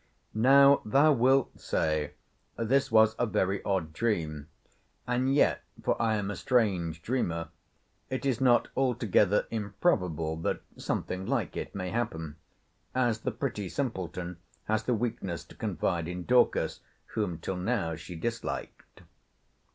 Now thou wilt say this was a very odd dream. And yet, (for I am a strange dreamer,) it is not altogether improbable that something like it may happen; as the pretty simpleton has the weakness to confide in Dorcas, whom till now she disliked.